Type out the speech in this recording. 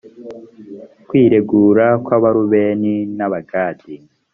kwiregura kw’abarubeni n’abagadi